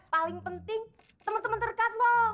paling penting temen temen dekat lo